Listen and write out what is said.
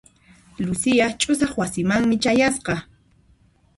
Lucia ch'usaq wasimanmi chayasqa.